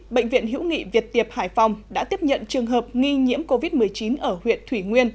bệnh viện hiễu nghị việt tiệp hải phòng đã tiếp nhận trường hợp nghi nhiễm covid một mươi chín ở huyện thủy nguyên